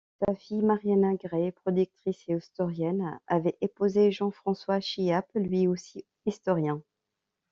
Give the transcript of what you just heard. Sa fille, Marina Grey, productrice et historienne, avait épousé Jean-François Chiappe, lui aussi historien.